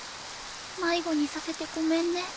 迷子にさせてごめんね。